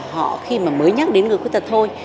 họ khi mà mới nhắc đến người khuyết tật thôi